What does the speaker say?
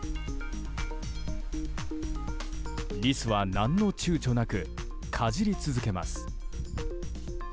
リスは何の躊躇なくかじり続けます。